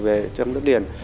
về trong đất liền